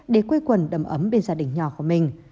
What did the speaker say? để quê quần đầm ấm bên gia đình nhỏ của mình